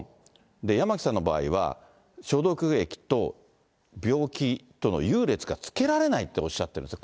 八巻さんの場合は、消毒液と病気との優劣がつけられないっておっしゃってるんですね。